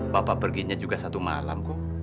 bapak perginya juga satu malam